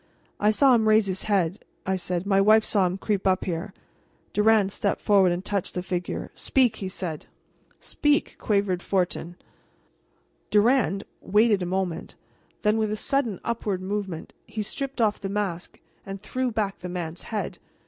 "I saw him raise his head," I said, "my wife saw him creep up here." Durand stepped forward and touched the figure. "Speak!" he said. "Speak!" quavered Fortin. Durand waited a moment, then with a sudden upward movement he stripped off the mask and threw back the man's head.